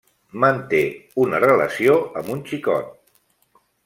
Manté una relació amb un xicot.